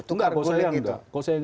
tukar golek gitu